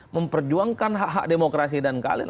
memperjuangkan hak hak demokrasi dan kalian